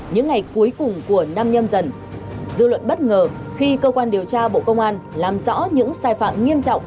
những ngày cuối cùng của năm nhâm dần dư luận bất ngờ khi cơ quan điều tra bộ công an làm rõ những sai phạm nghiêm trọng